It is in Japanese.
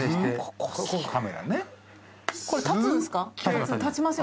これ立つんすか？